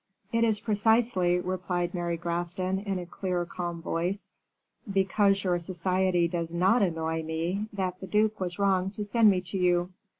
"It is precisely," replied Mary Grafton, in a clear, calm voice, "because your society does not annoy me, that the duke was wrong to send me to you."